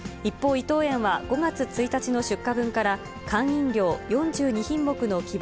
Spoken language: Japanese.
伊藤園は、５月１日の出荷分から、缶飲料４２品目の希望